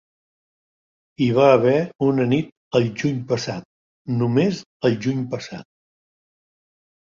Hi va haver una nit el juny passat, només el juny passat!